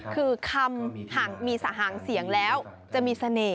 คือคำห่างเสียงแล้วจะมีเสน่ห์นะ